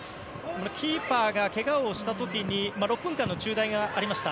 キーパーがけがをした時に６分間の中断がありました。